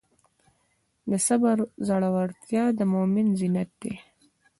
د صبر زړورتیا د مؤمن زینت دی.